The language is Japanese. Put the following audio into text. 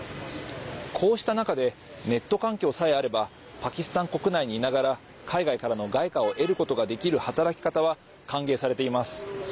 こうした中でネット環境さえあればパキスタン国内にいながら海外からの外貨を得ることができる働き方は歓迎されています。